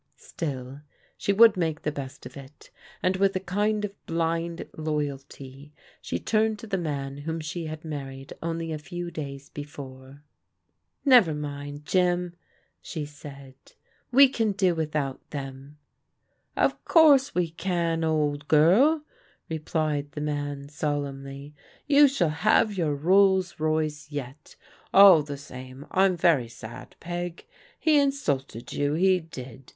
Still she would make the best of it, and with a kind of blind loyalty she turned to the man whom she had mar ried only a few days before. "Never mind, Jim,'* she said; "we can do without them." " Of course we can, old girl/' replied the man sol emnly. " You shall have your Rolls Royce yet. All the same, I'm very sad. Peg. He insulted you, he did.